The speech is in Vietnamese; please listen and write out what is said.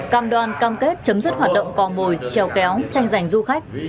cam đoan cam kết chấm dứt hoạt động cò mồi chèo kéo tranh giành du khách